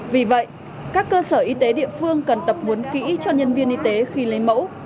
vì vậy các cơ sở y tế địa phương cần tập huấn kỹ cho nhân viên y tế khi lấy mẫu